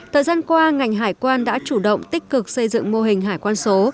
thời gian qua ngành hải quan đã chủ động tích cực xây dựng mô hình hải quan số